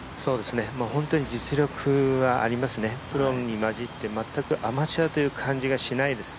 本当に実力はありますね、プロに交じって全くアマチュアという感じがしないです。